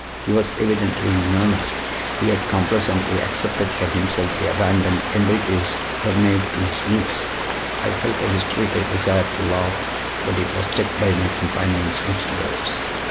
He was evidently in earnest; he had complacently accepted for himself the abandoned Enriquez' serenade to his niece. I felt a hysterical desire to laugh, but it was checked by my companion's next words.